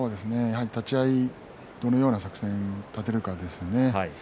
立ち合いどのような作戦を立てるかですね。